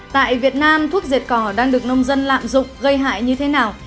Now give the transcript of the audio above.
tại việt nam thuốc diệt cỏ đang được nông dân lạm dụng gây hại như thế nào